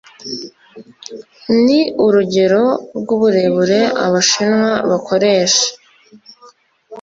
ni urugero rw uburebure abashinwa bakoresha